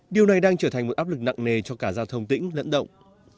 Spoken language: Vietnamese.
điều này đang trở thành một áp lực nặng nề cho cả giao thông tỉnh lẫn lộn